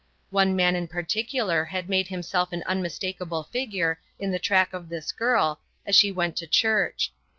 One man in particular had made himself an unmistakable figure in the track of this girl as she went to church.